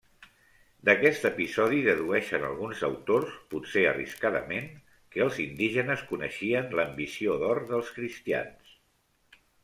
D'aquest episodi dedueixen alguns autors, potser arriscadament, que els indígenes coneixien l'ambició d'or dels cristians.